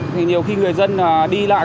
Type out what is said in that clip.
thì nhiều khi người dân đi lại